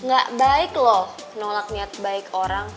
gak baik loh nolak niat baik orang